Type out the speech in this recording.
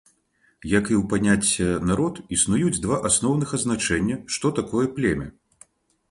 Як і ў паняцця народ, існуюць два асноўных азначэння, што такое племя.